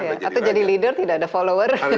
atau jadi pemimpin tidak ada pengikut